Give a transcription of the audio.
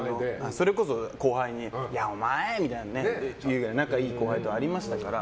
それこそ後輩にお前みたいなのは仲いい後輩とありましたから。